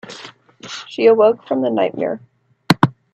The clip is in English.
She awoke from the nightmare.